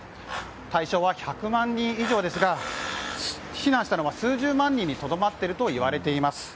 対象は１００万人以上ですが避難したのは数十万人にとどまっているといわれています。